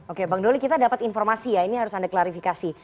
oke bang doli kita dapat informasi ya ini harus anda klarifikasi